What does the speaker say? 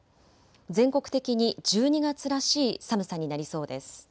全国的に１２月らしい寒さになりそうです。